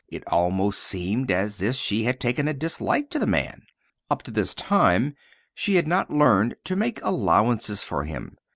It almost seemed as if she had taken a dislike to the man. Up to this time she had not learned to make allowances for him.